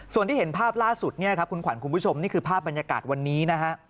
ส่วนที่เห็นภาพล่าสุดเนี่ยครับคุณขวัญคุณผู้ชมนี่คือภาพบรรยากาศวันนี้นะฮะ